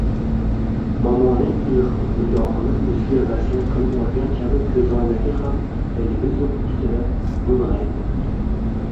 Momoning ilhaq nigohini oʻziga vasiyat qilib olgan kabi koʻzoynagi ham televizor ustida mungʻayib turibdi.